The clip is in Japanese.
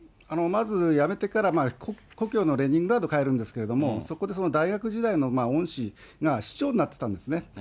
まず辞めてから、故郷のレニングラードに帰るんですけれども、そこで大学時代の恩師が市長になってたんですね。